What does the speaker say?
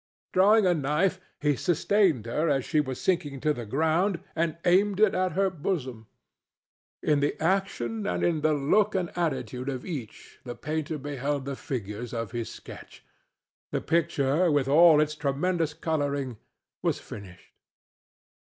Drawing a knife, he sustained her as she was sinking to the ground, and aimed it at her bosom. In the action and in the look and attitude of each the painter beheld the figures of his sketch. The picture, with all its tremendous coloring, was finished.